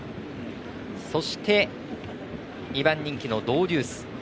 そして、２番人気のドウデュース。